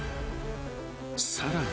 ［さらに］